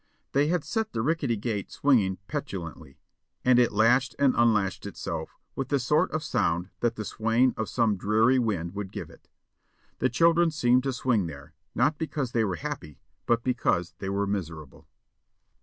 They had set the rickety gate swinging petulantly, and it latched and unlatched itself with the sort of sound that the swaying of some dreary wind would give it. The children seemed to swing there, not because they were happy, but because they were miserable.